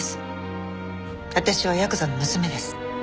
私はヤクザの娘です。